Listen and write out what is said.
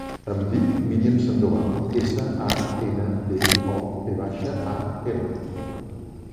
Em dic Míriam Sandoval: essa, a, ena, de, o, ve baixa, a, ela.